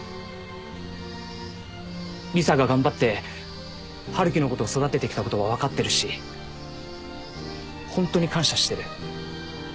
理沙が頑張って春樹のことを育ててきたことは分かってるしホントに感謝してる。